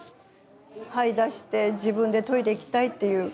はい出して自分でトイレ行きたいっていう。